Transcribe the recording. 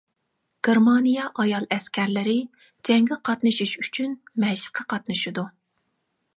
گېرمانىيە ئايال ئەسكەرلىرى: جەڭگە قاتنىشىش ئۈچۈن مەشىققە قاتنىشىدۇ.